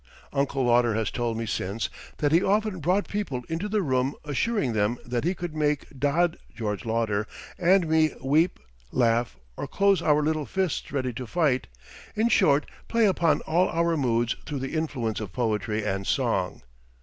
Uncle Lauder has told me since that he often brought people into the room assuring them that he could make "Dod" (George Lauder) and me weep, laugh, or close our little fists ready to fight in short, play upon all our moods through the influence of poetry and song.